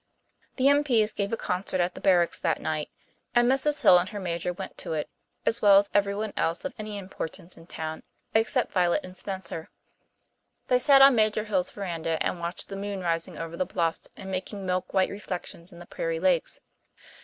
The M.P.s gave a concert at the barracks that night and Mrs. Hill and her Major went to it, as well as everyone else of any importance in town except Violet and Spencer. They sat on Major Hill's verandah and watched the moon rising over the bluffs and making milk white reflections in the prairie lakes.